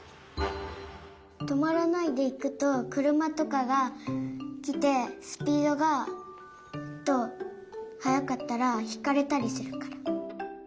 とまらないでいくとくるまとかがきてスピードがえっとはやかったらひかれたりするから。